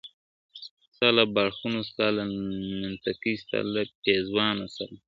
ستا له باړخو ستا له نتکۍ ستا له پېزوانه سره ,